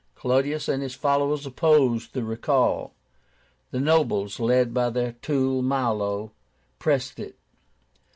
Clodius and his followers opposed the recall. The nobles, led by their tool Milo, pressed it.